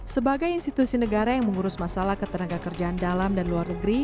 sebagai institusi negara yang mengurus masalah ketenaga kerjaan dalam dan luar negeri